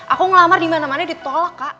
aku ngelamar dimana mana ditolak kak